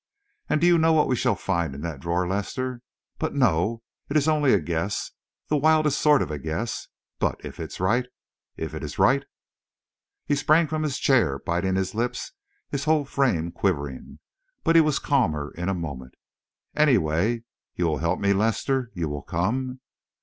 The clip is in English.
"And do you know what we shall find in that drawer, Lester? But no it is only a guess the wildest sort of a guess but if it is right if it is right!" He sprang from his chair, biting his lips, his whole frame quivering. But he was calmer in a moment. "Anyway, you will help me, Lester? You will come?"